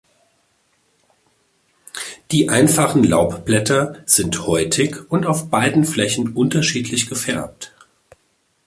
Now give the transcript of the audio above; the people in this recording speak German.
Die einfachen Laubblätter sind häutig und auf beiden Flächen unterschiedlich gefärbt.